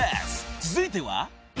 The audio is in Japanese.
続いては］